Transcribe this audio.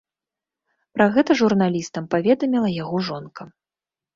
Пра гэта журналістам паведаміла яго жонка.